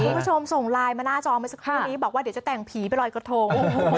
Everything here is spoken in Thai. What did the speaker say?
คุณผู้ชมส่งไลน์มาหน้าจอเมื่อสักครู่นี้บอกว่าเดี๋ยวจะแต่งผีไปลอยกระทง